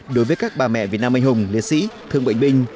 đối với các bà mẹ việt nam anh hùng liệt sĩ thương bệnh binh